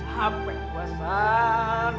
capek bu san